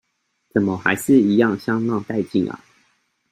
怎麼還是一樣香辣帶勁啊！